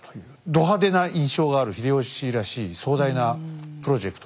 ド派手な印象がある秀吉らしい壮大なプロジェクトだったんですね。